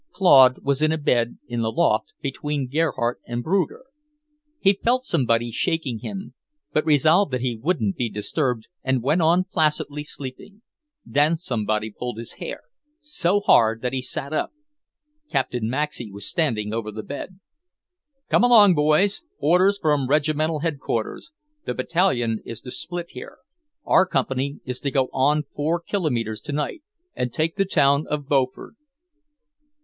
Claude was in a bed in the loft, between Gerhardt and Bruger. He felt somebody shaking him, but resolved that he wouldn't be disturbed and went on placidly sleeping. Then somebody pulled his hair, so hard that he sat up. Captain Maxey was standing over the bed. "Come along, boys. Orders from Regimental Headquarters. The Battalion is to split here. Our Company is to go on four kilometers tonight, and take the town of Beaufort."